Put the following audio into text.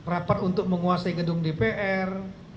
rapat untuk menguasai gedung dpr